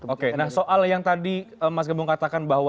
oke nah soal yang tadi mas gembong katakan bahwa